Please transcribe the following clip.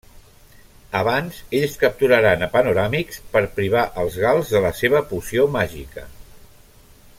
Abans, ells capturaran a Panoràmix per privar als gals de la seva poció màgica.